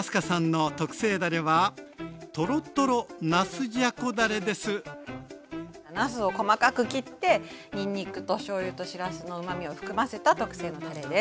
続いてなすを細かく切ってにんにくとしょうゆとしらすのうまみを含ませた特製のたれです。